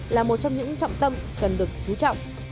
là một trong những trọng tâm cần được chú trọng